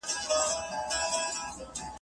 په پردۍ وردۍ کې راغلل، اخ! له خپله پېښوره